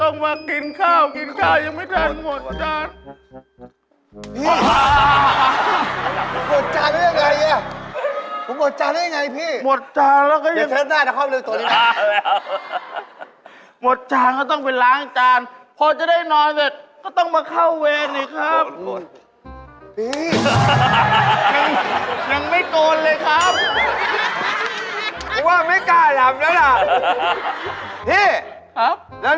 โอ๊ยขอบผมก็เหนื่อย